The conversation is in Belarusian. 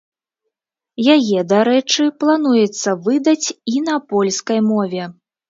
Яе, дарэчы, плануецца выдаць і на польскай мове.